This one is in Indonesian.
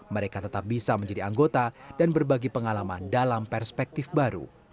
mereka tetap bisa menjadi anggota dan berbagi pengalaman dalam perspektif baru